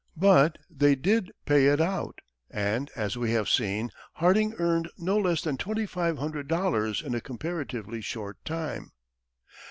But they did pay it out, and, as we have seen, Harding earned no less than twenty five hundred dollars in a comparatively short time.